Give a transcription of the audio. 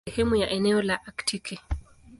Ni sehemu ya eneo la Aktiki.